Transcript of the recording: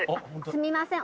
すみません